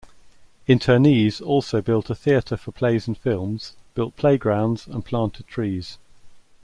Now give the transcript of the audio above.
Internees also built a theater for plays and films, built playgrounds, and planted trees.